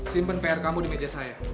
simpen pr kamu di meja saya